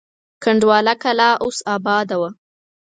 کنډواله کلا اوس اباده وه.